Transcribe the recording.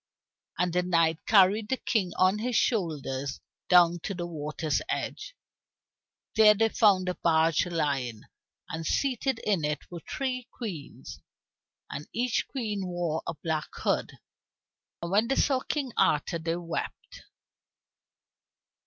And the knight carried the King on his shoulders down to the water's side. There they found a barge lying, and seated in it were three queens, and each queen wore a black hood. And when they saw King Arthur they wept.